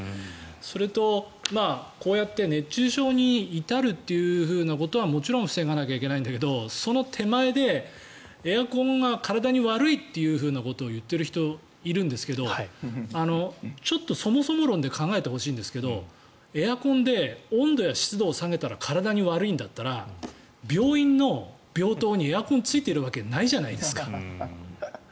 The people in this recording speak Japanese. それと、こうやって熱中症に至るということはもちろん防がなきゃいけないんだけどその手前でエアコンが体に悪いということを言っている人、いるんですけどちょっとそもそも論で考えてほしいんですけどエアコンで温度や湿度を下げたら体に悪いんだったら病院の病棟にエアコンがついているわけないじゃですか。